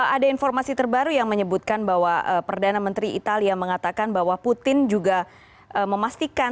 ada informasi terbaru yang menyebutkan bahwa perdana menteri italia mengatakan bahwa putin juga memastikan